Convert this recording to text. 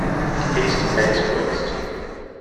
Haste makes waste.